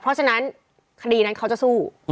เพราะฉะนั้นคดีนั้นเขาจะสู้